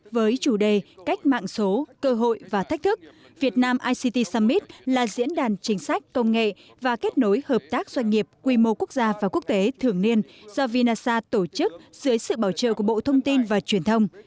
với chủ đề cách mạng số cơ hội và thách thức việt nam ict summit là diễn đàn chính sách công nghệ và kết nối hợp tác doanh nghiệp quy mô quốc gia và quốc tế thường niên do vinasa tổ chức dưới sự bảo trợ của bộ thông tin và truyền thông